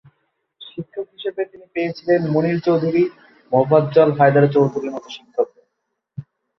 শিক্ষক হিসেবে তিনি পেয়েছিলেন মুনির চৌধুরী, মোফাজ্জল হায়দার চৌধুরীর মত শিক্ষকদের।